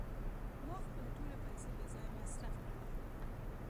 ما خپلې ټولې پیسې بې ځایه مصرف کړې.